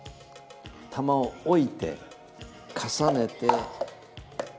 玉を置いて重ねて。